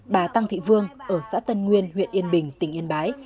bà tăng thị vương ở xã tân nguyên huyện yên bình tỉnh yên bái